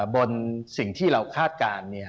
บนสิ่งที่เราคาดการณ์